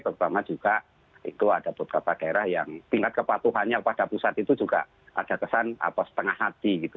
terutama juga itu ada beberapa daerah yang tingkat kepatuhannya pada pusat itu juga ada kesan apa setengah hati gitu